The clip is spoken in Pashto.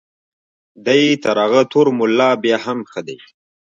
دی تر هغه تور ملا بیا هم ښه دی.